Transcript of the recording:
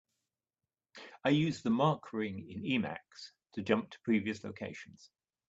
I use the mark ring in Emacs to jump to previous locations.